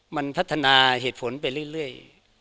มันพัฒนาเหตุผลไปเรื่อย